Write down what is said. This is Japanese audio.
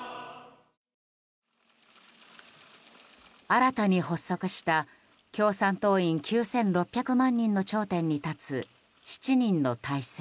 新たに発足した、共産党員９６００万人の頂点に立つ７人の体制。